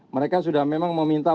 mereka sudah memang meminta